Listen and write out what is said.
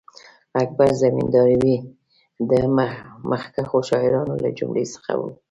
اکبر زمینداوری د مخکښو شاعرانو له جملې څخه وو.